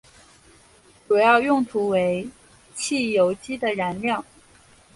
主要用途为汽油机的燃料。